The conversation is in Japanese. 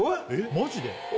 マジで？